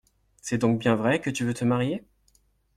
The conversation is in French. C’est donc bien vrai que tu veux te marier ?